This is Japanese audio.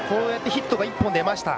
ヒットが１本出ました。